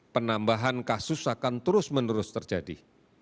penambahan kasus akan terus menerus terjadi